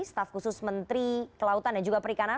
staf khusus menteri kelautan dan juga perikanan